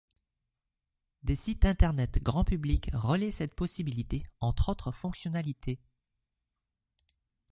Des sites internet grand public relaient cette possibilité entre autres fonctionnalités.